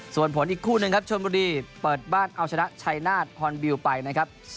ส่วนผลอีกคู่หนึ่งครับชนบุรีเปิดบ้านเอาชนะชัยนาฏฮอนบิลไปนะครับ